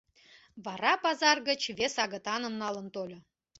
Вара пазар гыч вес агытаным налын тольо.